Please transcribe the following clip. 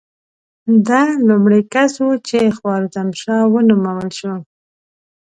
ده لومړی کس و چې خوارزم شاه ونومول شو.